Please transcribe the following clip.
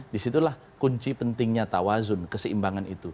disitulah kunci pentingnya tawazun keseimbangan itu